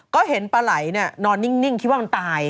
ก็เห็นปลาไหลนอนนิ่งคิดว่ามันตาย